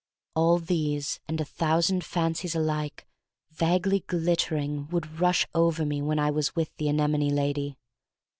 All these and a thousand fancies alike vaguely glittering would rush over me when I was with the anemone lady.